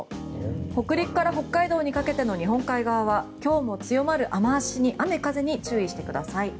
北陸から北海道にかけての日本海側は今日も強まる雨、風に注意してください。